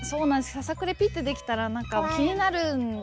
ささくれピッてできたらなんか気になるじゃないですか。